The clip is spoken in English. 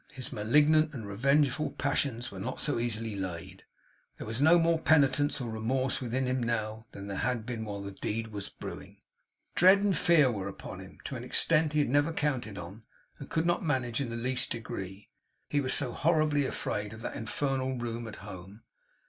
His malignant and revengeful passions were not so easily laid. There was no more penitence or remorse within him now than there had been while the deed was brewing. Dread and fear were upon him, to an extent he had never counted on, and could not manage in the least degree. He was so horribly afraid of that infernal room at home.